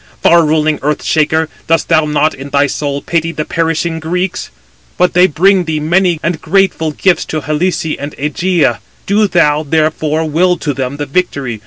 far ruling Earth shaker, dost thou not in thy soul pity the perishing Greeks? But they bring thee many and grateful gifts to Helice and Ægæ. Do thou, therefore, will to them the victory.